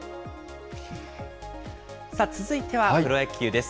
続いてはプロ野球です。